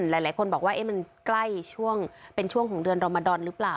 หลายคนบอกว่ามันใกล้ช่วงเป็นช่วงของเดือนรมดอนหรือเปล่า